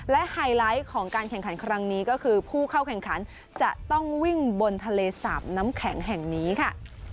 และไฮไลท์ของการแข่งขันครั้งนี้ก็คือผู้เข้าแข่งขันจะต้องวิ่งบนทะเลสาบน้ำแข็งแห่งนี้ค่ะ